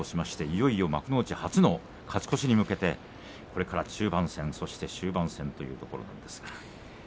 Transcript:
いよいよ幕内初の勝ち越しに向けてこれから中盤戦そして終盤戦というところです。